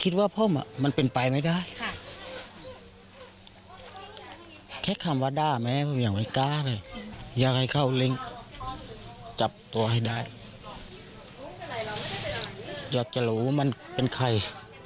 จับตัวให้ได้อยากจะรู้มันเป็นใคร